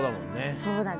そうだね。